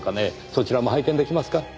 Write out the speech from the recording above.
そちらも拝見出来ますか？